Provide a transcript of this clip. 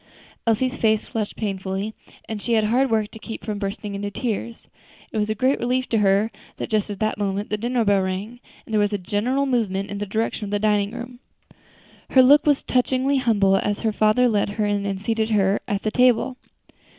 Elsie's face flushed painfully, and she had hard work to keep from bursting into tears. It was a great relief to her that just at that moment the dinner bell rang, and there was a general movement in the direction of the dining room. Her look was touchingly humble as her father led her in and seated her at the table.